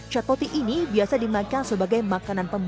chat poti ini biasa dimakan sebagai makanan pembeli